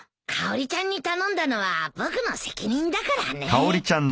かおりちゃんに頼んだのは僕の責任だからね。